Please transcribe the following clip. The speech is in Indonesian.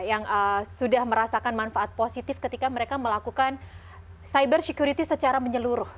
yang sudah merasakan manfaat positif ketika mereka melakukan cyber security secara menyeluruh